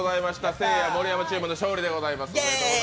せいや・盛山チームの勝利でございます。